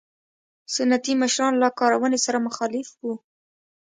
سنتي مشران له کارونې سره مخالف وو.